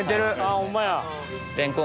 ホンマや。